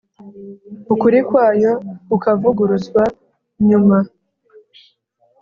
ukuri kwayo kukavuguruzwa nyuma